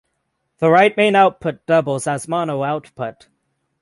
The right main output doubles as mono output.